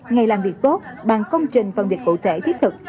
ngày làm việc tốt bàn công trình phân biệt phụ thể thiết thực